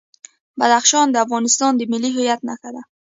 بدخشان د افغانستان د ملي هویت نښه ده.